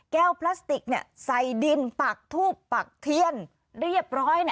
พลาสติกใส่ดินปักทูบปักเทียนเรียบร้อย